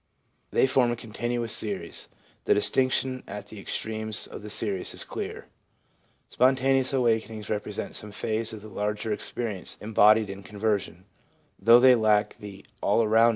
They form a continuous series. The distinction at the extremes of the series is clear. Spon taneous awakenings represent some phase of the larger experience embodied in conversion ; though they lack the all aroundness of the latter.